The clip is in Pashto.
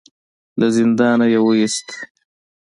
له زندانه يې وايست.